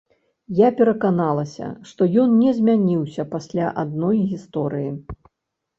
Я пераканалася, што ён не змяніўся пасля адной гісторыі.